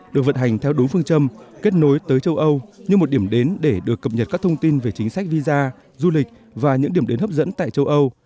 được vận hành theo đúng phương châm kết nối tới châu âu như một điểm đến để được cập nhật các thông tin về chính sách visa du lịch và những điểm đến hấp dẫn tại châu âu